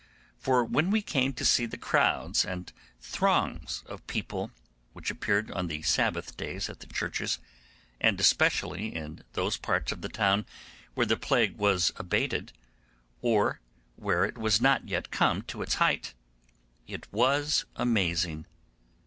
For when we came to see the crowds and throngs of people which appeared on the Sabbath days at the churches, and especially in those parts of the town where the plague was abated, or where it was not yet come to its height, it was amazing.